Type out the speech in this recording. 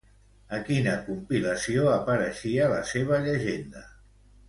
A quina compilació apareixia, la seva llegenda?